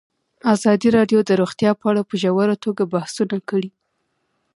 ازادي راډیو د روغتیا په اړه په ژوره توګه بحثونه کړي.